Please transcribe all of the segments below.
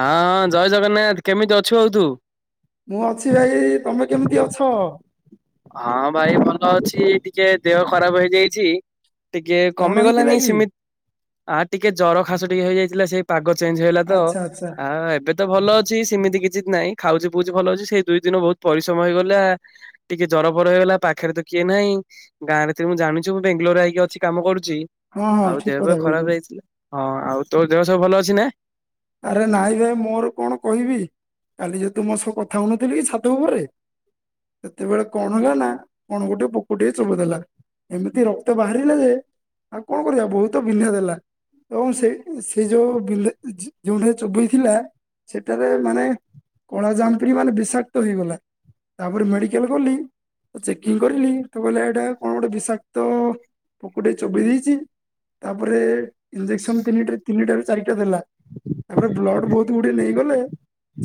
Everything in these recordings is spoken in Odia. ହଁ ହଁ ଜୟ ଜଗନ୍ନାଥ। କେମିତି ଅଛୁ ଆଉ ତୁ? ମୁଁ ଅଛି ଭାଇ। ତମେ କେମିତି ଅଛ? ହଁ ଭାଇ ଭଲ ଅଛି। ଟିକେ ଦେହ ଖରାପ ହେଇଯାଇଛି। ଟିକେ କଣ ହେଇଥିଲା କମିଗଲାନି କି? ସେମିତି ଆ ଟିକେ ଜର ଖାସ ଟିକେ ହେଇଯାଇଥିଲା। ସେ ପାଗ ଚେଞ୍ଜ ହେଇଗଲା ତ ଆଚ୍ଛା ଆଚ୍ଛା ଆ ଏବେ ତ ଭଲ ଅଛି। ସେମିତି କିଛି ନାହିଁ ଖାଉଚି ପିଉଚି ଭଲ ଅଛି। ସେଇ ଦୁଇ ଦିନ ବୋହୁତ ପରିଶ୍ରମ ହେଇଗଲା। ଟିକେ ଜର ବର ହେଇଗଲା ପାଖରେ ତ କିଏ ନାହିଁ। ଗାଁରେ ତ ମୁଁ ଜାଣୁଛୁ ମୁଁ ବେଙ୍ଗାଲୋରରେ ଆଇକି ଅଛି। କାମ କରୁଚି। ହଁ ହଁ ଆଉ ଠିକ କଥା ଦେହପାହା କହିଲ ଖରାପ ହୋଇଥିଲା। ହଁ ଆଉ ତୋ ଦେହ ସବୁ ଭଲ ଅଛି ନା? ଆରେ ନାଇଁ ଭାଇ ମୋର କଣ କହିବି କାଲି ଯୋଉ ତୁ ମୋ ସହ କଥା ହୋଉନଥିଲ କି ଛାତ ଉପରେ ସେତେବେଳେ କଣ ହେଲା ନା କଣ ଗୋଟେ ପୋକ ଟିଏ ଚଲୁ ଦେଲା। ଏମିତି ରକ୍ତ ବାହାରିଲା ଯେ ଆଉ କଣ କରିବା ବୋହୁତ ବିନ୍ଧା ଦେଲା। ଏବଂ ସେ ସେଇ ଯୋଉ ବିଲେ [unintelligible] ଯୋଉଠାରେ ଚୋବେଇ ଥିଲା। ସେଠାରେ ମାନେ କଳା ଯାମ୍ପିଡି ମାନେ ବିଷାକ୍ତ ହେଇଗଲା। ତାପରେ ମେଡିକାଲ ଗଲି। ଚେକିଂ କରିଲି ତ କହିଲା ଏଇଟା କଣ ଗୋଟେ ବିଷାକ୍ତ ପୋକଟେ ଚୋବେଇ ଦେଇଚି। ତାପରେ ଇଞ୍ଜେକ୍ସନ ତିନିଟା ତିନିଟାରୁ ଚାରିଟା ଦେଲା। ତାପରେ ବ୍ଲଡ ବୋହୁତ ଗୁଡେ ନେଇଗଲେ।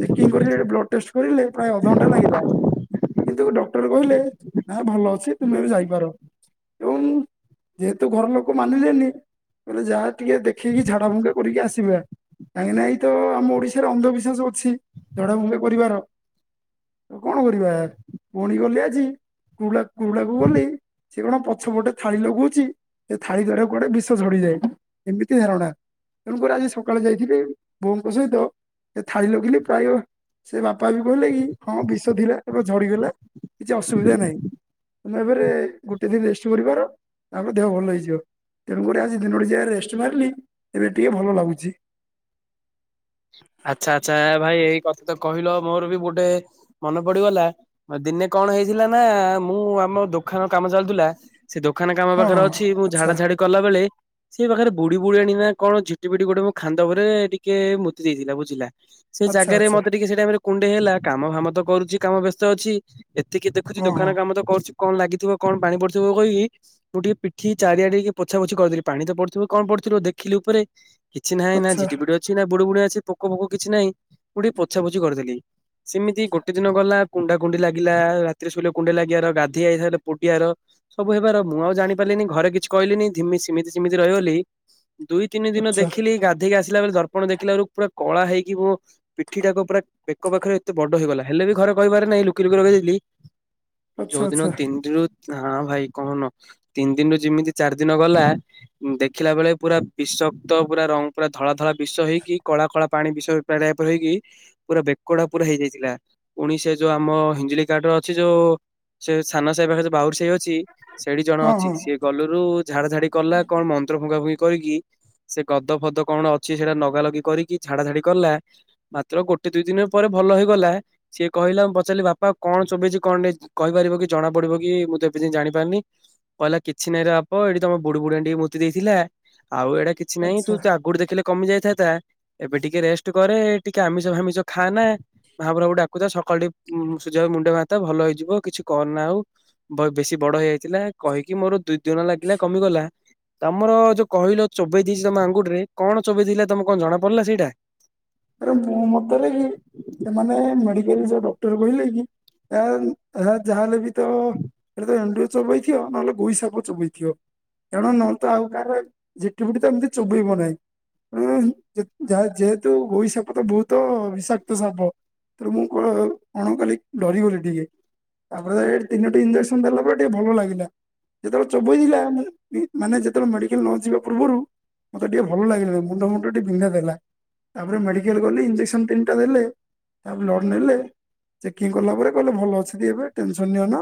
ଚେକିଂ କରିଲେ ବ୍ଲଡ ଟେଷ୍ଟ କରିଲେ ପ୍ରାୟ ଅଧଘଣ୍ଟା ଲାଗିଲା। କିନ୍ତୁ ଡକ୍ଟର କହିଲେ ନା ଭଲ ଅଛି। ତୁମେ ଏବେ ଯାଇପାର। ଏବଂ ଯେହେତୁ ଘର ଲୋକ ମାନିଲେନି କହିଲେ ଯାଆ ଟିକେ ଦେଖେଇକି ଝାଡା ଫୁଙ୍କା କରିକି ଆସିବା। କାହିଁକି ନା ଏଇ ତ ଆମ ଓଡିଶାରେ ଅନ୍ଧବିଶ୍ଵାସ ଅଛି। ଝଡା ଫୁଙ୍କା କରିବାର। ତ କଣ କରିବା ପୁଣି ଗଲି ଆଜି କୁଲାଃ [unintelligible] କୁଡାକୁ ଗଲି। ସେ କଣ ପଛ ପଟେ ଥାଳି ଲଗୋଉଚି। ସେ ଥାଳି ଦ୍ଵାର କୁଆଡେ ବିଷ ଝଡିଯାଏ। ଏମିତି ଧାରଣା ତେଣୁକରି ଆଜି ସକାଳେ ଯାଇ ଥିଲି ବୋଉଙ୍କ ସହିତ ଥାଳି ଲଗେଇଲି ପ୍ରାୟ ସେ ବାପା ବି କହିଲେ କି ହଁ ବିଷ ଥିଲା ଏବେ କୁ ଝଡିଗଲା କିଛି ଅସୁବିଧା ନାହିଁ। ତମେ ଏବେରେ ଗୋଟେ ଦିନ ରେଷ୍ଟ କରିବାର ତାପରେ ଦେହ ଭଲ ହେଇଯିବ। ତେଣୁକରି ଆଜି ଦିନଟି ଯାକ ରେଷ୍ଟ ମାରିଲି ଏବେ ଟିକେ ଭଲ ଲାଗୁଚି। ଆଚ୍ଛା ଆଚ୍ଛା ଏ ଭାଇ ଏଇ କଥା ତ କହିଲ ମୋର ବି ଗୋଟେ ମନେ ପଡିଗଲା। ଦିନେ କଣ ହେଇଥିଲା ନା ମୁଁ ଆମ ଦୋଖାନ କାମ ଚାଲୁଥିଲା। ସେ ଦୋକାନ କାମ ହଁ ପାଖରେ ହଁ ଅଛି। ମୁଁ ଆଚ୍ଛା ଝାଡା ଝାଡି କଲା ବେଳେ ସିଏ ପାଖରେ ବୁଡି ବୁଢୀଆଣି ନା କଣ ଝିଟି ପିଟି ଗୋଟେ ମୋ ଖାନ୍ଦ ଉପରେ ଟିକେ ମୂ ତି ଦେଇଥିଲା ବୁଝିଲା। ସେ ଆଚ୍ଛା ଜାଗାରେ ଆଚ୍ଛା ମତେ ଟିକେ ସେଇ ଟାଇମରେ କୁଣ୍ଡେଇ ହେଲା କାମ ଫାମ ତ କରୁଚି କାମ ବ୍ୟସ୍ତ ଅଛି। ଏତିକି ଦେଖୁଚି ହଁ ହଁ ଦୋକାନ କାମ ତ କରୁଛି। କଣ ଲାଗିଥିବ କଣ ପାଣି ପଡିଥିବ। ମୁଁ କହିବି ମୁଁ ଟିକେ ପିଠିକି ଚାରିଆଡେ ଇଏ ଟିକେ ପୋଛା ପୋଛି କରିଦେଲି ପାଣି ତ ପଡିଥିବ କଣ ପଡିଥିବ ଦେଖିଲି ଉପରେ କିଛି ନାହିଁ ନା ଆଚ୍ଛା ଝିଟିିପିଟି ଅଛି ନା ବୁଡୁ ବୁଡା ଅଛି ପୋକ ଫୋକ କିଛି ନାହିଁ। ମୁଁ ଟିକେ ପୋଛା ପୋଛି କରିଦେଲି। ସେମିତି ଗୋଟେ ଦିନ ଗଲା କୁଣ୍ଡା କୁଣ୍ଡି ଲାଗିଲା। ରାତିରେ ଶୋଇଲେ କୁଣ୍ଡେଇ ଲାଗିବାର ଗାଧୋଇ ଆଇ ସାଇଲା ପୋଡିବାର ସବୁ ହେବାର। ମୁଁ ଆଉ ଜାଣି ପାରିଲିନି ଘରେ କିଛି କହିଲେନି ଧିମି ସେମିତି ସିମିତି ରହିଗଲି। ଦୁଇ, ତିନି ଦିନ ଆଚ୍ଛା ଦେଖିଲି ଗାଧୋଇ କି ଆସିଲା ବେଳେ ଦର୍ପଣ ଦେଖିଲା ବେଳକୁ ପୁରା କଳା ହେଇକି ମୁଁ ପିଠିଟାକୁ ପୁରା ବେକ ପାଖରେ ଏତେ ବଡ ହେଇଗଲା ହେଲେ ବି ଘରେ କହିବାର ନାହିଁ ଲୁକି ଲୁକି ରଖି ଦେଇଥିଲି। ଆଚ୍ଛା ଯୋଉଦିନ ଆଚ୍ଛା ତିନି ଦିନିରୁ ହଁ ଭାଇ କହୁନ ତିନି ଦିନିରୁ ଯେମିତି ଚାରି ଦିନ ଗଲା ଦେଖିଲା ବେଳେ ପୁରା ବିଷକ୍ତ ପୁରା ରଙ୍ଗ ପୁରା ଧଳା ଧଳା ବିଷ ହେଇକି ସକାଳ ପାଣି ବିଷରେ [unintelligible] ପୁରା ବେକଟା ପୁରା ହେଇଯାଇଥିଲା। ପୁଣି ସେ ଯୋଉ ଆମ ହିଞ୍ଜୁଳି କାଟର ଅଛି ଯୋଉ ସେ ସାନ ସାହି ପାଖରେ ବାଉରୁ ସାହି ଅଛି ସେଇଠି ଜଣେ ହଁ ଅଛି ହଁ ସିଏ ଗଲୁରୁ ଝାଡା ଝାଡି କଲା କଣ ମନ୍ତ୍ର ଫୁଙ୍କା ଫୁଙ୍କୀ କରିକି ସେ ଗଦ ଫଦ କଣ ଅଛି ସେଇଟା ଲଗା ଲଗି କରିକି ଝାଡା ଝାଡି କଲା ମାତ୍ର ଗୋଟେ, ଦୁଇ ଦିନ ପରେ ଭଲ ହେଇଗଲା। ସିଏ କହିଲା ମୁଁ ପଚାରିଲି ବାପା କଣ ଚୋବେଇଚି କଣ ନାଇ କହିପାରିବ କି ଜଣା ପଡିବ କି ମୁଁ ତ ଏବେ ଯାଏଁ ଜାଣିପାରିନି। କହିଲା କିଛି ନାଇଁରେ ବାପ ଏଇଠି ତମ ବୁଡୁ ବୁଡିଆ ଟିକେ ମୁତି ଦେଇଥିଲା ଆଉ ଏଇଟା କି ଛି ନାଇଁ ଆଚ୍ଛା ତୁ ତ ଆଗରୁ ଦେଖିଲେ କମି ଯାଇଥାନ୍ତା। ଏବେ ଟିକେ ରେଷ୍ଟ କରେ। ଟିକେ ଆମିଷ ଫାମିଷ ଖା ନା। ମହାପୁରୁ କୁ ଡାକୁଥା ସକାଳୁ ଟିକେ ଉ ସୂର୍ଯ୍ୟ ମୁଣ୍ଡିଆ ମାରୁଥା ଭଲ ହେଇଯିବ କିଛି କରନା ଆଉ। ବ ବେଶୀ ବଡ ହେଇ ଯାଇଥିଲା କହିକି ମୋର ଦୁଇ ଦିନ ଲାଗିଲା କମିଗଲା। ତମର ଯୋଉ କହିଲ ଚୋବେଇ ଦେଇଚି ତମ ଆଙ୍ଗୁଠିରେ କଣ ଚୋବେଇ ଥିଲା ତମର କଣ ଜଣା ପଡିଲା ସେଇଟା? ରେ ମତ ଲାଗି କି ସେମାନେ ମେଡିକାଲ ଯୋଉ ଡକ୍ଟର କହିଲେ କି ଆ ଏହା ଯାହାଲେ ବି ତ ଏଇ ଟା ଏଣ୍ଡୁଅ ଚୋବେଇଥିବ ନହେଲେ ଗୁଇ ସାପ ଚୋବେଇଥିବ। ତେଣୁ ନହେଲେ ତ ଆଉ କାହାର ଝିଟିପିଟି ତ ଏମିତି ଚୋବେଇବ ନାହିଁ। ଉଁ ଯା ଯେହ ଯେହେତୁ ଗୋଇ ସାପ ତ ବହୁତ ବିଷାକ୍ତ ସାପ। ତ ମୁଁ କଣ କଣ କଲି କି ଡରିଗଲି ଟିକେ। ତାପରେ ଏଇଟି ତିନୋଟି ଇଞଜେକ୍ସନ ଦେଲା ପରେ ଟିକେ ଭଲ ଲାଗିଲା। ଯେତେବେଳେ ଚୋବେଇ ଦେଥିଲା ମାନେ ଯେତେବେଳେ ମେଡିକାଲ ନ ଯିବା ପୂର୍ବରୁ ମତେ ଟିକେ ଭଲ ଲାଗିଲାନି। ମୁଣ୍ଡ ଫୁଣ୍ଡ ଟିକେ ବିନ୍ଧାଇ ଦେଲା। ତାପରେ ମେଡ଼ିକାଲ ଗଲି, ଇଞ୍ଜେକ୍ସନ ତିନିଟା ଦେଲେ। ତାପରେ ବ୍ଲଡ ନେଲେ। ଚେକିଂ କଲା ପରେ କହିଲେ ଭଲ ଅଛନ୍ତି ଏବେ। ଟେନସନ ନିଅନା।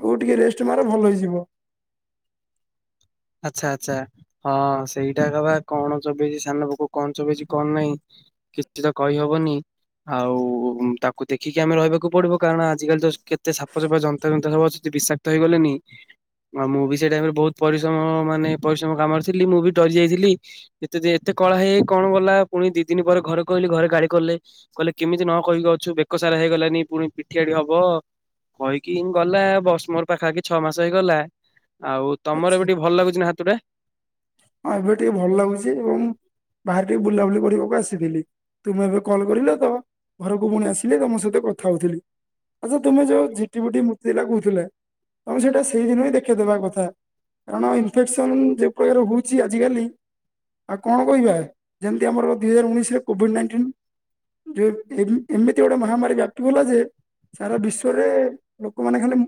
ଆଉ ଟିକେ ରେଷ୍ଟ ମାର ଭଲ ହେଇଯିବ। ଆଚ୍ଛା। ଆଚ୍ଛା। ହଁ ସେଇଟା କା ବା କଣ ଚୋବେଇଚି ସାନ ପୋକ କଣ ଚୋବେଇଚି କଣ ନାହିଁ କିଛି ତ କହିହବନି। ଆଉ ତାକୁ ଦେଖିକି ଆମେ ରହିବାକୁ ପଡିବ। କାରଣ ଆଜିିକାଲି ତ କେତେ ସାପ ସୂପା ଯତା ଯନ୍ତା ସବୁ ଅଛନ୍ତି ବିଶା କ୍ତ ହେଇଗଲେ ନି। ଆଉ ମୁଁ ବି ସେ ଟାଇମ ରେ ବହୁତ ପରିଶ୍ ତ ମାନେ ପରିଶ୍ରମ କାମରେ ଥିଲି ମୁଁ ବି ଡରି ଯାଇଥିଲି। ଏତେ ଦ ଏତେ କଳା ହେଇ କଣ ଗଲା ପୁଣି ଦି ଦିନି ପରେ ଘରେ କହିଲି ଘରେ ଗାଳି କଲେ। କହିଲେ କେମିତି ନ କହିକି ଅଛୁ ବେକସାରା ହେଇଗଲାନି ପୁଣି ପିଠିଆଡେ ହବ। କହିକି ଗଲା ବସ ମୋର ପାଖାଖି ଛଅ ମାସ ହେଇଗଲା ଆଉ ଆଚ୍ଛା ତମର ଏବେ ଟିକେ ଭଲ ଲାଗୁଚି ନା ହାତ ଟା? ହଁ ଏବେ ଟିକେ ଭଲ ଲାଗୁଚି ଏବଂ ବାହାରେ ଟିକେ ବୁଲାବୁଲି କରିବାକୁ ଆସିଥିଲି। ତୁମେ ଏବେ କଲ କରିଲ ତ ଘରକୁ ପୁଣି ଆସିଲି ତମ ସହିତ କଥା ହଉଥିଲି। ଆଚ୍ଛା ତୁମେ ଯଉଁ ଝିଟିପିଟି ମୁତିଦେଲା କହୁଥିଲେ ତମେ ସେଇଟା ସେଇଦିନ ହିଁ ଦେଖେଇଦବା କଥା। କାରଣ ଇନଫେକ୍ସନ ଯୋଉ ପ୍ରକାର ହଉ ଚି ଆଜି କାଲି ଆଉ କଣ କହିବା? ଯେମିତି ଆମର ଦୁଇ ହଜାର ଉଣେଇଶରେ କୋଭିଡ ନାଇଣ୍ଟିନ। ଯୋଉ ଏ ଏମିତି ଗୋଟେ ମହାମାରୀ ବ୍ୟାପିବ ଗଲା ଯେ ସାରା ବିଶ୍ଵରେ ଲୋକମାନେ ଖାଲି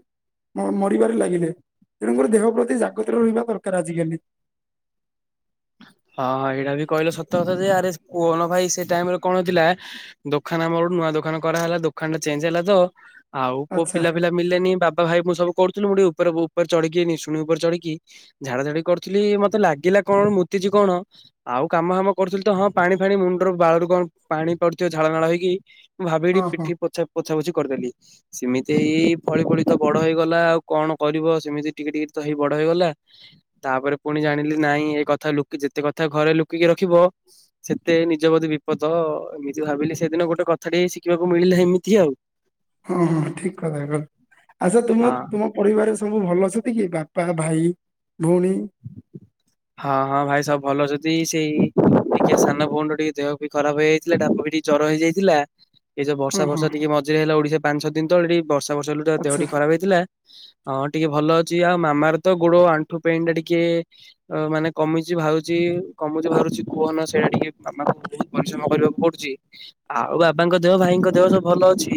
ମ ମରିବାରେ ଲାଗିଲେ। ତେଣୁକରି ଦେହ ପ୍ରତି ଜାଗ୍ରତରେ ରହିବା ଦରକାର ଆଜିକାଲି। ହଁଁ ଏଇଟା ବି କହିଲେ ସତ କଥା ଯେ ଆରେ କୁହନ ଭାଇ ସେ ଟାଇମ ରେ କଣ ହେଇ ଥିଲା ଦୋଖାନ ଆମର ଗୋଟେ ନୂଆ ଦୋକାନ କରାହେଲା ଦୋକାନ ଟା ଚେଞ୍ଜ ହେଲା ତ ଆଉ କୋଉ ଆଚ୍ଛା ପିଲା ପିଲା ମିଲାନି ବାବା ଭାଇ ମୁଁ ସବୁ କରୁଥିଲ ମୁଁ ଟିକେ ଉପ ଉପରେ ଚଢିକିି ଶୁଣି ଉପରେ ଚଢିକି ଝାଡା ଝାଡି କରୁଥିଲି ମତେ ଲାଗିଲା କଣ ମୁତିଛି କଣ ଆଉ କାମ ଫାମ କରୁଥିଲି ତ ହଁ ପାଣି ଫାଣି ମୁଣ୍ଡ ବାଳରୁ କଣ ପାଣି ପଡୁଥିବ ଝାଳ ନାଳ ହେଇକି ମୁଁ ଭାବିଠି ହଁ ହଁ ପିଠି ପୋଛା ପୋଛା ପୋଛି କରିଦେଲି। ସେମିତି ହେଇ ଫଳି ଫଳି ତ ବଡ ହେଇଗଲା ଆଉ କଣ କରିବ ସେମିତି ଟିକେ ଟିକେ ତ ହେଇ ବଡ ହେଇଗଲା। ତାପରେ ପୁଣି ଜାଣିଲି ନାଇଁ ଏ କଥା ଲୁ ଯେତେ କଥା ଘରେ ଲୁକିକି ରଖିବ। ସେତେ ନିଜ ବୋଧେ ବିପଦ ଏମିତି ଭାବିଲି ସେଦିନ ଗୋଟେ କଥାଟେ ଶିଖିବାକୁ ମିଳିଲା ଏମିତି ଆଉ। ହଁ ହଁ ଠିକ କଥା କହିଲେ ଆଛା ହଁ ତୁମ ତୁମ ପରିବାର ସବୁ ଭଲ ଅଛନ୍ତି କି ବାପା, ଭାଇ, ଭଉଣୀ। ହଁ ହଁ ଭାଇ ସବୁ ଭଲ ଅଛନ୍ତି ସେଇ ଟିକେ ସାନ ଭଉଣି ର ଟିକେ ଦେହ ଖରାପ ହେଇଯାଇଥିଲା ତାକୁ ବି ଟିକେ ଜର ହେଇଯାଇଥିଲା। ଏଇ ଯଉ ହଁ ବର୍ଷା ହଁ ଫର୍ଶା ଟିକେ ମଝିରେ ହେଲା ଓଡିଶା ପାଞ୍ଚ ଛ ଦିନ ତଳେ ଟ ବର୍ଷା ବର୍ଷ ହେତୁ ଦେହ ଆଚ୍ଛା ଟି ଖରାପ ହେଇଥିଲା। ହଁ ଟିକେ ଭଲ ଅଛି ଆଉ ମାମାର ତ ଗୋଡ ଆଣ୍ଠୁ ପେନ୍ ଟା ଟିକେ ଅ ମାନେ କମୁଛି ବାହାରୁଛି କମୁଛି ବାହାରୁଛି କୁହନା ସେଇଟା ଟିକେ ମାମାଙ୍କୁ ବହୁତ ପରିଶ୍ରମ କରିବାକୁ ପଡୁଛି। ଆଉ ବାବାଙ୍କ ଦେହ ଭାଇଙ୍କ ଦେହ ସବୁ ଭଲ ଅଛି,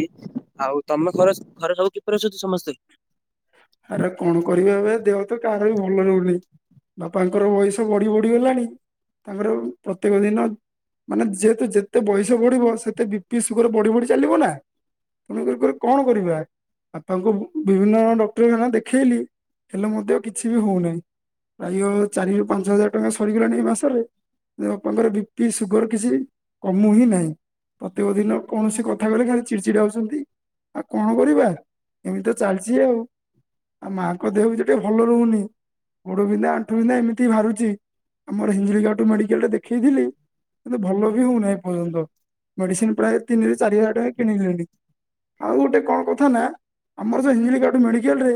ଆଉ ତମ ଘରେ ଘରେ ସବୁ କିପରି ଅଛନ୍ତି ସମସ୍ତେ? ଆରେ କଣ କରିବ ଏବେ ଦେହ ତ କାହାର ବି ଭଲ ରହୁନି। ବାପାଙ୍କର ବୟସ ବଢି ବଢିଗଲାଣି ତାଙ୍କର ପ୍ରତ୍ୟେକ ଦିନ ମାନେ ଯେହେତୁ ଯେତେ ବୟସ ବଢିବ ସେତେ ବିପି ସୁଗାର ବଢି ବଢି ଚାଲିବ ନା। ତେଣୁ କରି କଣ କରିବା ଆଉ ତାଙ୍କୁ ବିଭିନ୍ନ ଟର ମାନଙ୍କୁ ଦେଖେଇଲି ହେଲେ ମଧ୍ୟ କିଛି ବି ହଉନାହିଁ। ପ୍ରାୟ ଚାରି ରୁ ପାଞ୍ଚ ହଜାର ଟଙ୍କା ସରିଗଲାଣି ଏଇ ମାସରେ। ବାପାଙ୍କର ବିପି ସୁଗର କିଛି କମୁ ହିଁ ନାହିଁ। ପ୍ରତ୍ୟେକ ଦିନ କୌଣସି କଥା କହିଲେ ଖାଲି ଚିଡଚିଡା ହଉଛନ୍ତି। ଆଉ କଣ କରିବା ଏମିତି ତ ଚାଲିଛି ଆଉ। ଆଉ ମାଆଙ୍କ ଦେହ ବି ସେ ଟିକେ ଭଲ ରହୁନି। ଗୋଡ ବିନ୍ଧା, ଆଣ୍ଠୁ ବିନ୍ଧା ଏମିତି ବାହାରୁଛି ଆମର ହିଞ୍ଜିଳି କାଟୁ ମେଡିକାଲ ଦେଖେଇଥିଲି କିନ୍ତୁ ଭଲ ବି ହଉନାହି ଏ ପର୍ଯ୍ୟନ୍ତ ମେଡିସିନ ପ୍ରାୟ ତିନି ରୁ ଚାରି ହଜାର ଟଙ୍କା କିଣିଲିଣି। ଆଉ ଗୋଟେ କଣ କଥା ନା ଆମର ହିଞ୍ଜିଳିକାଟୁ ମେଡିକାଲ୍ ରେ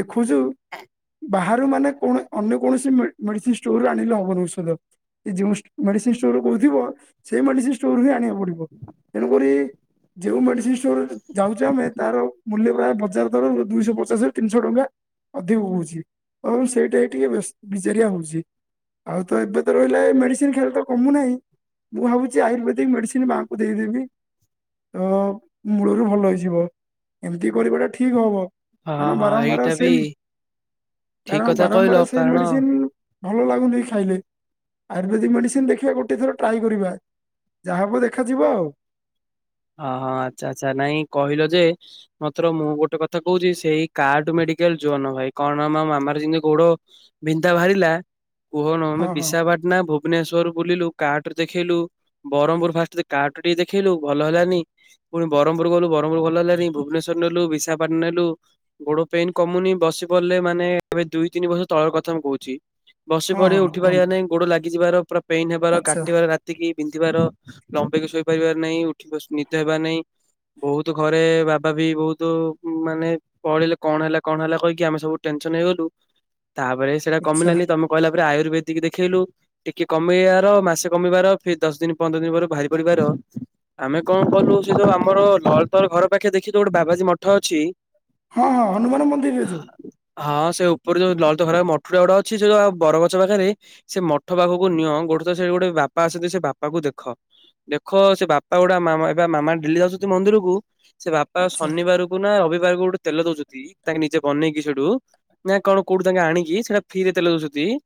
ଦେଖୁଛୁ [inaudible] ବାହାରୁ ମାନେ କୌ ଅନ୍ୟ କୌଣସି ମେଡିସିନ ଷ୍ଟୋରୁ ଆଣିଲେ ହବନି ଔଷଧ। ଯୋଉ ମେଡିସିନ ଷ୍ଟୋର କହୁଥିବ ସେଇ ମେଡିସିନ ଷ୍ଟୋର ହିଁ ଆଣିବାକୁ ପଡିବ ତେଣୁକରି ଯୋଉ ମେଡିସିନ ଷ୍ଟୋର ଯାଉଛେ ଆମେ ତାର ମୂଲ୍ୟ ପ୍ରାୟ ବଜାର ଦର ରୁ ଦୁଇଶହ ପଚାଶ, ତିନିଶହ ଟଙ୍କା ଅଧିକ ହଉଛି ଏବଂ ସେଇଟା ହୀ ଟିକେ ବିଜେଡ଼ିଆ ହଉଛି। ଆଉ ତ ଏବେ ତ ରହିଲା ଏ ମେଡିସିନ ଖାଇଲେ ତ କମୁନାହିଁ। ମୁଁ ଭାବୁଛି ଆୟୁର୍ବେଦିକ ମେଡିସିନ ମାଙ୍କୁ ଦେଇଦେବି। ତ ମୂଳରୁ ଭଲ ହେଇଯିବ ଏମିତି କରିବାଟା ଠିକ ହବ। ହଁ କାରଣ ହଁ ବାରମ୍ବାର ଏଇଟା ବି ସେମ୍ ଠିକ କାରଣ କଥା ବାରମ୍ବାର କହିଲ ସେଇ କାରଣ ମେଡିସିନ୍ ଭଲ ଲାଗୁନି ଖାଇଲେ ଆୟୁର୍ବେଦିକ୍ ମେଡ଼ିସିନ୍ ଦେଖିବା ଗୋଟେ ଥର ଟ୍ରାଏ କରିବା। ଯାହା ହବ ଦେଖାଯିବ ଆଉ। ଓ ହଁ ଆଚ୍ଛା ଆଚ୍ଛା ନାଇଁ କହିଲ ଯେ ମାତ୍ର ମୁଁ ଗୋଟେ କଥା କହୁଚି ସେଇ କାର୍ଡ ମେଡିକାଲ ଯୁଅନ ଭାଇ କଣ ମା ମାମାର ଯେମିତି ଗୋଡ ବିନ୍ଧା ବାହାରିଲା କୁହନ ହଁ ଅମେ ହଁ ପିଶା ବାଟ୍ ନା ଭୁବନେଶ୍ଵର ବୁଲିଲୁ କାଟ ରେ ଦେଖେଇଲୁ ବରହମ୍ ପୁର୍ ଫାଷ୍ଟ କାର୍ଟ ଟିକେ ଦେଖେଇଲୁ ବ ଭଲ ହେଲାନି ପୁଣି ବ୍ରହ୍ମପୁର ଗଲୁ ବ୍ରହ୍ମପୁର ଭଲହେଲାନି ଭୁବନେଶ୍ୱର ନେଲୁ ବିଶାଖାପାଟନା ନେଲୁ। ଗୋଡ ପେନ୍ କମୁନି ବସି ପଡ଼ିଲେ ମାନେ ଏବେ ଦୁଇ ତିନି ବର୍ଷ ତଳ କଥା ମୁଁ କହୁଚି। ବସି ପଡି ହଁ ଉଠି ହଁ ପାରିବା ହଁ ନାଇଁ ଗୋଡ ଲାଗିଯିବାର ପୁରା ପେନ୍ ହେବାର ଆଚ୍ଛା କାଟିବାର ରା ଏତିକି ବିନ୍ଧିବାର ଲମ୍ବେଇକି ଶୋଇପାରିବାର ନାହିଁ ଉଠି ନିତ ହେବାର ନାଇଁ। ବହୁତ ଘରେ ବାବା ବି ବହୁତ ଉମ୍ ମାନେ ପଳେଇଲେ କଣ ହେଲା କଣ ହେଲା କହିକି ଆମେ ସବୁ ଟେନସନ୍ ହେଇଗଲୁ ତାପରେ ସେଇଟା ଆଚ୍ଛା କମିଲାନି ତମକ୍ କହିଲା ପରେ ଆୟୁର୍ବେଦିକ ଦେଖେଇଲୁ। ଟିକେ କମେଇବାର ମାସେ କମିବାର ଫି ଦଶ ଦିନ ପନ୍ଦର ଦିନ ପରେ ଭାରି ପଡିବାର ଆମେ କଣ କଲୁ ସେ ଯୋଉ ଆମର [unintelligible] ତଲ ଘର ପାଖେ ଦେଖି ଗୋଟେ ବାବାଜୀ ମଠ ଅଛି ହଁ ହଁ ହନୁମାନ ମନ୍ଦିରରେ ଯୋଉ। ହଁ ସେ ଉପରେ ଯୋଉ ଲତ [unintelligible] ମଠୁରା ଗଡା ଅଛି [unintelligible] [unintelligible] ବରଗଛ ପାଖରେ ସେ ମଠ ପାଖକୁ ନିଅ ଗୋଟେ [unintelligible] ସେଠି ଗୋଟେ ବାପା ଆସନ୍ତି ସେ ବାପାକୁ ଦେଖ ଦେଖ ସେ ବା [unintelligible] ଗୁଡା ମାମା ଏଗା ମାମା ଡେଲି ଆସୁଚି ମନ୍ଦିରକୁ ସେ ବାପା ଆଚ୍ଛା ଶନିବାରୁ- କୁ ନା ରବିବାରକୁ ଗୋଟେ ତେଲ ଦଉଚନ୍ତି ତାଙ୍କେ ନିଜେ ବନେଇକି ସେଠୁ ନାଇଁ କଣ କୋଉଠୁ ତାଙ୍କେ ଆଣିକି ସେଇଟା ଫିରେ ତେଲ [unintelligible]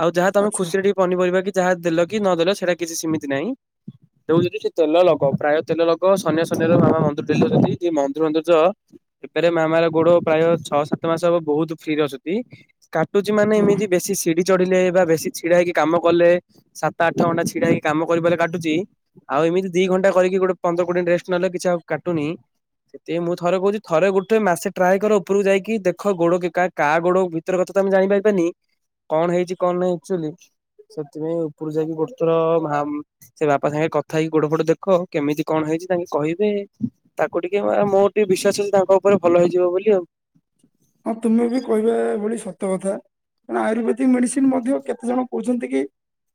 ଆଉ ଯାହା ତମ ଆଚ୍ଛା ଖୁସିରେ ଟିକେ ପନିପରିବା କି ଯାହା ଦେଲ କି ନଦେଲ ସେଇଟା କିଛି ସିମିତି ନାଇଁ [unintelligible] ତେଲ ଲଗ ପ୍ରାୟ ତେଲ ଲଗ ସନାସନିର ମାମା ମନ୍ଦିର [inaudible] ଯଦି ମନ୍ଦିର ମନ୍ଦିର ଯଅ ଏପାରେ ମାମାର ଗୋଡ ପ୍ରାୟ ଛଅ ସାତ ମାସ ହବ ବହୁତ ଫ୍ରିରେ ଅଛନ୍ତି। କାଟୁଚି ମାନେ ହଁ ଏମିତି ବେଶୀ ସିଢି ଚଡିଲେ ବା ବେଶୀ ଛିଡା ହେଇକି କାମ କଲେ ସାତ ଆଠ ଘଣ୍ଟା ଛିଡା ହେଇ କାମ କରିବାରେ କାଟୁଚି ଆଉ ଏମତି ଦି ଘଣ୍ଟା କରିକି ଗୋଟେ ପନ୍ଦର କୋଡିଏ ରେଷ୍ଟ ନେଲେ କିଛି ଆଉ କାଟୁନି। ସେଥି ମୁଁ ଥରେ କହୁଚି ଥରେ ଗୋଟେ ମାସେ ଟ୍ରାଏ କର ଉପରକୁ ଯାଇକି ଦେଖ ଗୋଡ କେ କା କା ଗୋଡ ଭିତର କଥା ତ ଆମେ ଜାଣିପାରିବା କଣ ହେଇଚି କଣ ନାହିଁ। ସେଥିପାଇଁ ଉପରୁ ଯାଇକି ଗୋଟେ ଥର ମା ସେ ବାପା ସାଙ୍ଗେ କଥା ହେଇ ଗୋଡ ଫୋଦ ଦେଖ କେମିତି କଣ ହେଇଚି ତାଙ୍କେ କହିବେ। ତାକୁ ଟିକେ ମା ମୋର ଟିକେ ବେଶି ତାଙ୍କ ଉପରେ ଭଲ ହେଇଯିବ ବୋଲି ଆଉ। ହଁ ତୁମେ ବି କହିବା ଭଳି ସତ କଥା। କଣ ଆୟୁର୍ବେଦି ମେଡ଼ିସିନ୍ ମଧ୍ୟ କେତେ ଜଣ କହୁଚନ୍ତି କି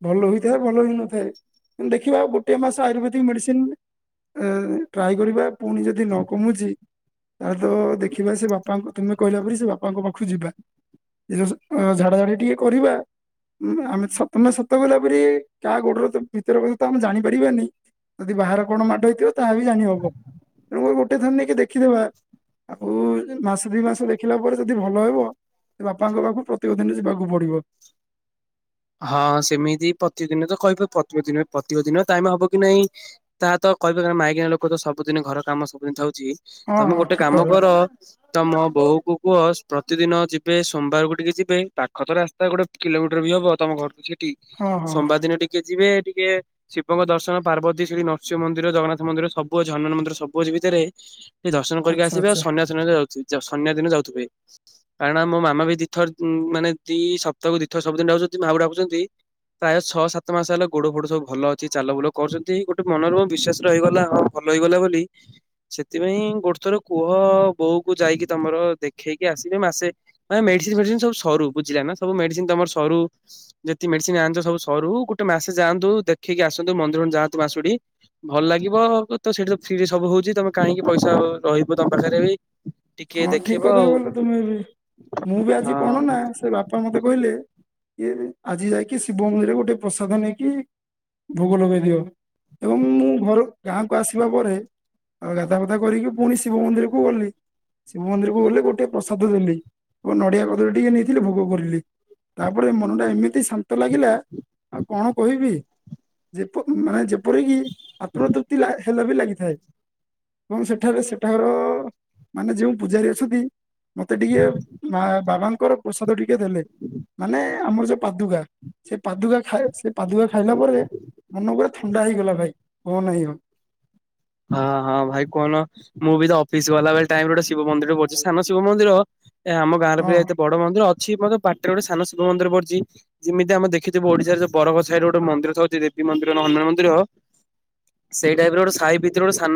ଭଲ ହେଇଥାଏ ଭଲ ହେଇନଥାଏ କିନ୍ତୁ ଦେଖିବା ଗୋଟେ ମାସ ଆୟୁର୍ବେଦି ମେଡ଼ିସିନ୍ ଏ ଟ୍ରାଏ କରିବା ପୁଣି ଯଦି ନ କମୁଁଚି ଆ ତ ଦେଖିବା ସେ ବାପାଙ୍କ ତମେ କହିଲା ପରେ ସେ ବାପାଙ୍କ ପାଖକୁ ଯିବା। ଯଉ ଏଁ ଝାଡାଝଡି ଟିକେ କରିବା। ଆମେ ନ ସତ ନା ସତ ଗଲା ପରେ କା ଗୋଡରେ ତ ଭିତର କଥା ତ ଆମେ ଜାଣିପାରିବାନି। ଯଦି ବାହାରେ କଣ ମାଡ ହେଇଥିବ ତାହା ବି ଜାଣି ହବ ତେଣୁ ମୋ ଗୋଟେ ଥର ନେଇକି ଦେଖିଦେବା ଆଉ [unintelligible] ମାସ ଦି ମାସ ଦେ ଖିଲା ପରେ ଯଦି ଭଲ ହେବ ବାପାଙ୍କ ପାଖକୁ ପ୍ରତ୍ୟେକ ଦିନ ଯିବାକୁ ପଡିବ। ହଁ ସେମିତି ପ୍ରତିଦିନ ତ କହିବେ ପ୍ରତ୍ୟେକ ଦିନ ପ୍ରତିକ ଦିନ ଟାଇମ୍ ହବ କି ନାଇଁ ତା ତ କହିବେ [unintelligible] ମାଇକିନା ଲୋକ ତ ସବୁଦିନେ ଘର କାମ ସବୁଦିନ [unintelligible] ହଁ ତମେ ହଁ ଗୋଟେ ଠିକ କାମ କଥା କର ତମ ବୋଉକୁ କୁହ ପ୍ରତିଦିନ ଯିବେ ସୋମବାରକୁ ଟିକେ ଯିବେ ପାଖ ତ ରାସ୍ତା ଗୋଟେ କିଲୋମିଟର ବି ହବ ତମ ଘରକୁ ସେଠି ହଁ ହଁ ସୋମବାର ଦିନ ଟିକେ ଯିବେ ଟିକେ ଶିବଙ୍କ ଦର୍ଶନ ପାର୍ବତୀ ଶ୍ରୀ ନରସିଂହ ମନ୍ଦିର ଜଗନ୍ନାଥ ମନ୍ଦିର ସବୁ ଅଛି ହନୁମାନ ମନ୍ଦିର ସବୁ ଅଛି ଭିତରେ। ଦର୍ଶନ କରିକି ଆଚ୍ଛା ଆସିବା [unintelligible] ଆଚ୍ଛା ସନ୍ନ୍ୟା ଦିନ ଯାଉଥିବେ। କାରଣ ମୋ ମାମା ବି ଦିଥର ମାନେ ଦି ସପ୍ତାହକୁ ଦିଥର ସବୁଦିନ ମା କୁ ଡାକୁଛନ୍ତି। ପ୍ରାୟ ଛଅ ସାତ ମାସ ହେଲା ଗୋଡ ଫୋଡ ସବୁ ଭଲ ଅଛି ଚାଲ ବୁଲ କରୁଛନ୍ତି ଗୋଟେ ମନରେ ମ ବିଶ୍ଵାସ ରହିଗଲା ହଁ ଭଲ ହେଇଗଲା ବୋଲି ସେଥିପାଇଁ ଗୋଟେ ଥର କୁହ ବୋଉ କୁ ଯାଇକି ତମର ଦେଖେଇକି ଆସିବେ ମାସେ ଭାଇ ମେଡ଼ିସିନ୍ ଫେଡିସିନ ସବୁ ସରୁ ବୁଝିଲା ନା ସବୁ ମେଡ଼ିସିନ୍ ତମର ସରୁ ଯେତିକି ମେଡ଼ିସିନ୍ ଆଣିଛ ସବୁ ସରୁ ଗୋଟେ ମାସେ ଯାଆନ୍ତୁ ଦେଖିକି ଆସନ୍ତୁ ମନ୍ଦିର ଫନ୍ଦିର ଯାଆନ୍ତୁ ମାସଟି ଭଲ ଲାଗିବ ତସେଠିତ ଫ୍ରିରେ ସବୁ ହଉଚି ତମେ କାହିଁକି ପଇସା ରହିବ ତମ ପାଖରେ ବି ଟିକେ ହଁ ଠିକ୍ ଦେଖିବ କଥା ଆଉ କହିଲ ତୁମେବି ମୁଁବି ଆଜି କଣ ହଁ। ନା ସେ ବାପା ବାପା ମତେ କହିଲେ ଆଜି ଯାଇକି ଶିବ ମନ୍ଦିରରେ ଗୋଟେ ପ୍ରସାଦ ନେଇକି ଭୋଗ ଲଗେଇ ଦିଅ ଏବଂ ମୁଁ ଘରୁ ଗାଁକୁ ଆସିବା ପରେ ଆଉ ଗାଧ ଫଧା କରିକି ପୁଣି ଶିବ ମନ୍ଦିରକୁ ଗଲି ଶିବ ମନ୍ଦିରକୁ ଗଲେ ଗୋଟେ ପ୍ରସାଦ ଦେଲି ଏବଂ ନଡ଼ିଆ କଦଳୀ ଟିକେ ନେଇଥିଲି ଭୋଗ କରିଲି। ତାପରେ ମନଟା ଏମିତି ଶାନ୍ତ ଲାଗିଲା ଆଉ କଣ କହିବି। ଯେପ ମାନେ ଯେପ ଏପରିକି ଆପଣ ତୃପ୍ତି ହେଲାବି ଲାଗିଥାଏ ଏବଂ ସେଠାରେ ସେଠାର ମାନେ ଯେଉ ପୂଜାରୀ ଅଛନ୍ତି ମତେ ଟିକେ ମା ବାବାଙ୍କର ପ୍ରସାଦ ଟିକେ ଦେଲେ ମାନେ ଆମର ଯୋଉ ପାଦୁକା ସେ ପାଦୁକା ଖାଇ ସେ ପାଦୁକା ଖାଇଲା ପରେ ମନ ପୁରା ଥଣ୍ଡା ହେଇଗଲା ଭାଇ ହନ ହେଇଗଲ ହଁ ହଁ ଭାଇ କଅନ ମୁବିତ ଅଫିସ୍ ଗଲାବେଳେ ଟାଇମରେ ଗୋଟେ ଶିବ ମନ୍ଦିରରେ ପଡ଼ୁଚି ସାନ ଶିବ ମନ୍ଦିର ଆମ ଗାଁରେବି ହଁ ଏତେ ବଡ଼ ମନ୍ଦିର ଅଛି ମୋ ବାଟରେ ଗୋଟେ ସାନ ଶିବ ମନ୍ଦିର ପଡଛି ଯେମିତି ଆମେ ଦେଖିଥିବ ଓଡିଶାରେ ଯୋ ବରଗଛ ସାହିରେ ଗୋଟେ ମନ୍ଦିରଥାଉଛି ଦେବୀ ମନ୍ଦିର ହନୁମାନ ମନ୍ଦିର। ସେଇ ଟାଇପ ରେ ଗୋଟେ ସାହି ଭିତରେ ଗୋଟେ ସାନ